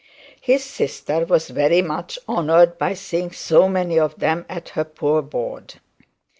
His sister was very much honoured by seeing so many of them at her poor board.